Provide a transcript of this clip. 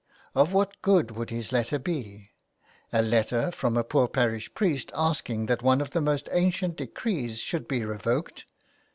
Of what good would his letter be ? A letter from a poor parish priest asking that one of the most ancient decrees should be revoked